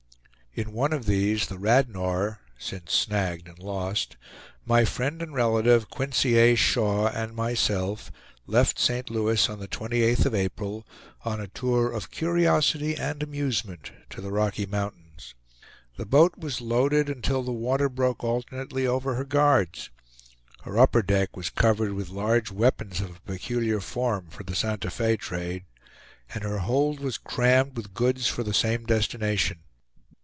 In one of these, the Radnor, since snagged and lost, my friend and relative, Quincy A. Shaw, and myself, left St. Louis on the 28th of April, on a tour of curiosity and amusement to the Rocky Mountains. The boat was loaded until the water broke alternately over her guards. Her upper deck was covered with large weapons of a peculiar form, for the Santa Fe trade, and her hold was crammed with goods for the same destination.